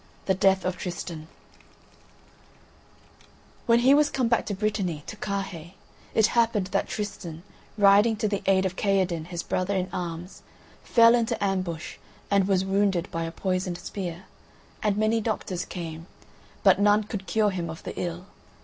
THE DEATH OF TRISTAN When he was come back to Brittany, to Carhaix, it happened that Tristan, riding to the aid of Kaherdin his brother in arms, fell into ambush and was wounded by a poisoned spear; and many doctors came, but none could cure him of the ill.